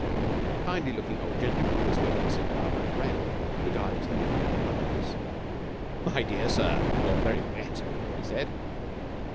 A kindly looking old gentleman who was smoking a cigar by the rail regarded him with open eyes. "My dear sir, you're very wet," he said.